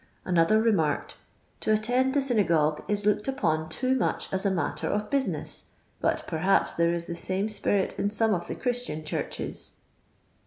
Another remarked, " To attend the syna gogue is looked upon too much as a matter of If'tintas ; but perhaps there is the same spirit in some of the Christian churches."